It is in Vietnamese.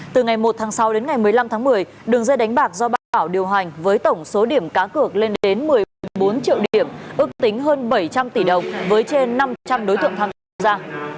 từ ngày một tháng sáu đến ngày một mươi năm tháng một mươi đường dây đánh bạc do ba bảo điều hành với tổng số điểm cá cược lên đến một mươi bốn triệu điểm ước tính hơn bảy trăm linh tỷ đồng với trên năm trăm linh đối tượng tham gia